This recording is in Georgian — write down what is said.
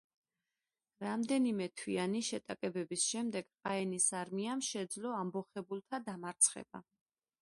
რამდენიმე თვიანი შეტაკებების შემდეგ ყაენის არმიამ შეძლო ამბოხებულთა დამარცხება.